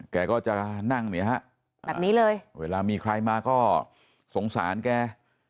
แกก็จะนั่งเนี่ยฮะแบบนี้เลยเวลามีใครมาก็สงสารแก